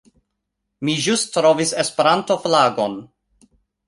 Mi ĵus trovis Esperanto-flagon...